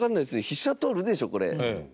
飛車取るでしょ、これ。